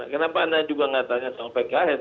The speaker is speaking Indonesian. kenapa anda juga nggak tanya sama pks